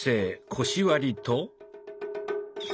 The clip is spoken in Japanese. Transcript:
「腰割り」と。